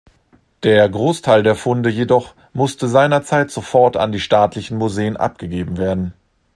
Der Großteil der Funde jedoch musste seinerzeit sofort an die staatlichen Museen abgegeben werden.